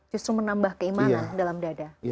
justru menambah keimanan dalam dada